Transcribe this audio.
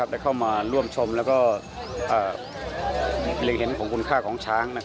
ได้เข้ามาร่วมชมและเรียนเห็นของคุณค่าของช้าง